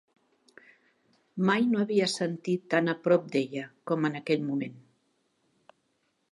Mai no havia sentit tant a prop d'ella com en aquell moment.